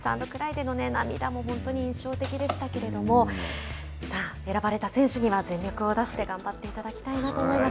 涙も本当に印象的でしたけれどもさあ、選ばれた選手には全力を出して頑張っていただきたいと思います。